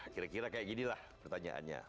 kira kira kayak ginilah pertanyaannya